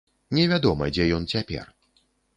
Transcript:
Невядома, дзе ён цяпер.